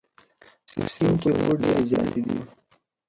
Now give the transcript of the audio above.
په سیند کې اوبه ډېرې زیاتې دي.